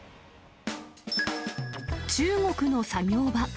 中国の作業場。